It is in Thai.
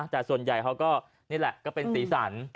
แต่ส่วนใหญ่เขาก็นี่แหละก็เป็นสีสัน